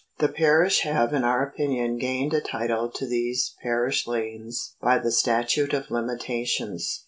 ... The parish have in our opinion gained a title to these parish lanes by the Statute of Limitations.